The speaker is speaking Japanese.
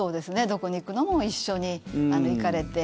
どこに行くのも一緒に行かれて。